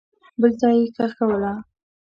بل ځای یې ښخوله.